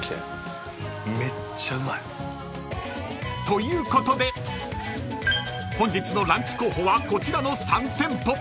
［ということで本日のランチ候補はこちらの３店舗］